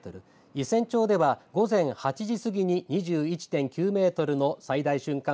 伊仙町では午前８時過ぎに２１．９メートルの最大瞬間